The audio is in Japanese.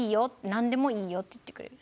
なんでも「いいよ」って言ってくれる。